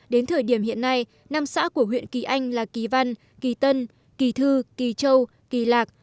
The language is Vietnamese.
đến thời điểm hiện nay năm xã của huyện kỳ anh là kỳ văn kỳ tân kỳ thư kỳ châu kỳ lạc